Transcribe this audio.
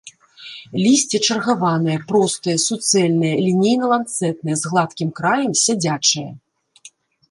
Лісце чаргаванае, простае, суцэльнае, лінейна-ланцэтнае, з гладкім краем, сядзячае.